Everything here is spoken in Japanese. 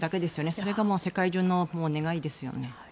それが世界中の願いですよね。